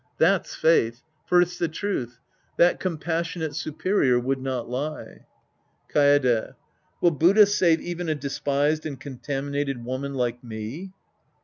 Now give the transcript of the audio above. That's faith. For it's the truth. That compassionate superior would not lie, • Kaede. Will Buddha save even a despised and contaminated woman like me